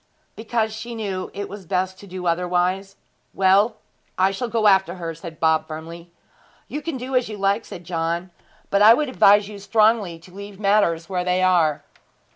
'Because she knew it was best to do otherwise.' 'Well, I shall go after her,' said Bob firmly. 'You can do as you like,' said John; 'but I would advise you strongly to leave matters where they are.'